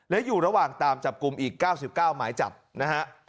และอยู่ระหว่างตามจับกลุ่มอีก๙๙หมายจับนะฮะ